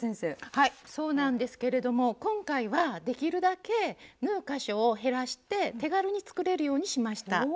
はいそうなんですけれども今回はできるだけ縫う箇所を減らして手軽に作れるようにしました。